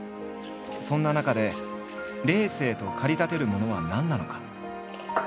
そんな中でレースへと駆り立てるものは何なのか？